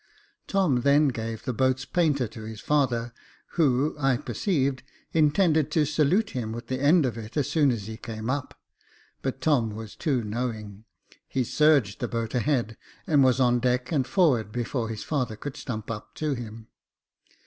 Tom then gave the boat's painter to his father, who, I perceived, intended to salute him with the end of it as soon as he came up ; but Tom was too knowing — he surged the boat ahead, and was on deck and forward before his father could stump up to him.